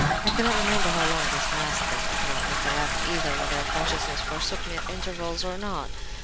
"I cannot remember how long this lasted; I cannot recollect, either, whether consciousness forsook me at intervals, or not.